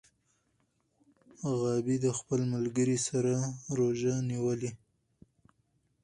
غابي د خپل ملګري سره روژه نیولې.